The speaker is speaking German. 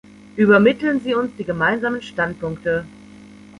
Übermitteln Sie uns die gemeinsamen Standpunkte.